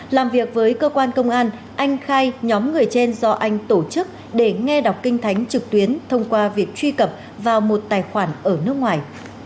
làm việc với cơ quan công an anh khai nhóm người trên do anh tổ chức để nghe đọc kinh thánh trực tuyến thông qua việc truy cập vào một tài khoản ở nước ngoài